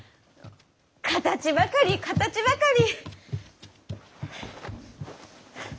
形ばかり形ばかり！